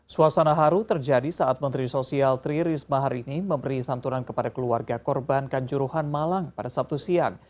suasana haru terjadi saat menteri sosial tri risma hari ini memberi santunan kepada keluarga korban kanjuruhan malang pada sabtu siang